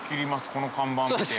この看板見て。